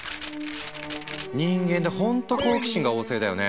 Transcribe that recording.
人間ってほんと好奇心が旺盛だよね。